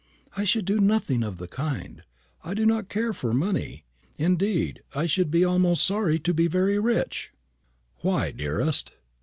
"I should do nothing of the kind. I do not care for money. Indeed, I should be almost sorry to be very rich." "Why, dearest?"